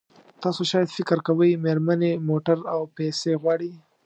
تاسو شاید فکر کوئ مېرمنې موټر او پیسې غواړي.